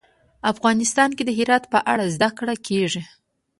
افغانستان کې د هرات په اړه زده کړه کېږي.